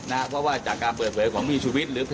เพราะว่าจากการเปิดเวยของผู้ชวิด